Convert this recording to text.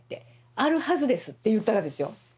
「あるはずです」って言うたがですよ。